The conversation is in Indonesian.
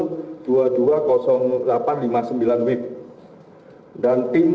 ketika penembakan gas air mata menyebabkan penyakit